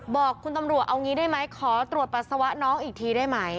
บอกคุณตำรวจเอางี้ได้ไหมขอตรวจปัสสาวะน้องอีกทีได้ไหม